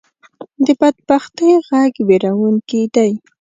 د بدبختۍ غږ وېرونکې دی